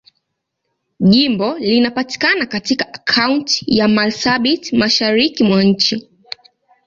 Jimbo linapatikana katika Kaunti ya Marsabit, Mashariki mwa nchi.